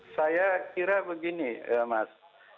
saya kira begini mas